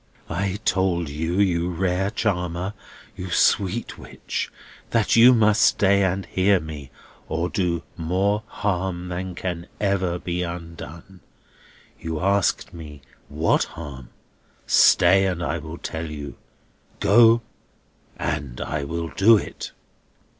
"I told you, you rare charmer, you sweet witch, that you must stay and hear me, or do more harm than can ever be undone. You asked me what harm. Stay, and I will tell you. Go, and I will do it!"